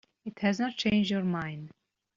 It has not changed your mind.